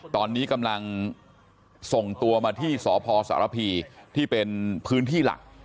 ตอนนี้กำลังส่งตัวมาที่สพสารพีที่เป็นพื้นที่หลัก